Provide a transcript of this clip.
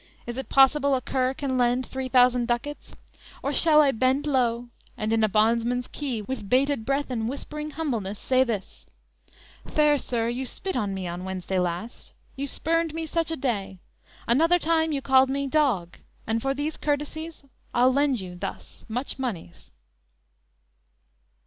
Is it possible A cur can lend three thousand ducats? Or Shall I bend low, and in a bondsman's key, With bated breath and whispering humbleness say this Fair sir, you spit on me on Wednesday last; You spurned me such a day; another time You called me dog, and for these courtesies I'll lend you thus much monies!"